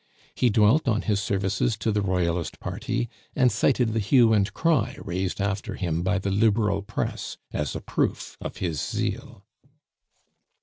He dwelt on his services to the Royalist party, and cited the hue and cry raised after him by the Liberal press as a proof of his zeal.